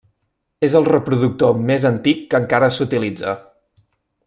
És el reproductor més antic que encara s'utilitza.